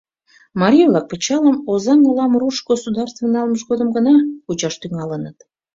Марий-влак пычалым Озаҥ олам руш государствын налмыж годым гына кучаш тӱҥалыныт.